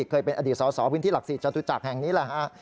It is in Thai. เคยเป็นอดีตสอพื้นที่หลักศรีจตุจักรแห่งนี้แหละฮะ